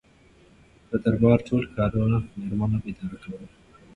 د دربار ټول کارونه میرمنو اداره کول.